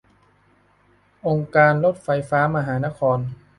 องค์การรถไฟฟ้ามหานคร